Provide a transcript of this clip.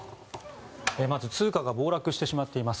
まず通貨が暴落してしまっています。